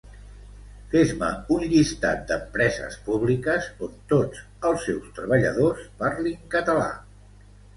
Fes-me un llistat d'empreses publiques on tots els seus treballadors parlin català